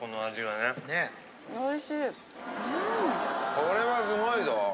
これはすごいぞ。